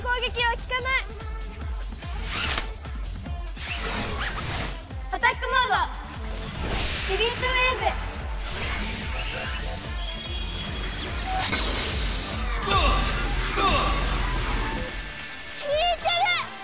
効いてる！